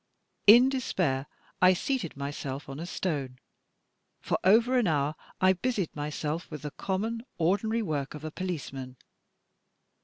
In despair I seated mjrself on a stone. For over an hour I busied myself with the com mon, ordinary work of a policeman.